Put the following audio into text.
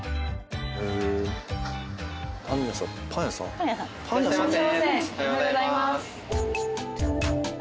おはようございます。